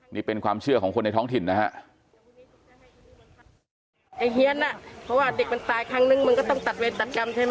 นี่เป็นความเชื่อของคนในท้องถิ่นนะฮะ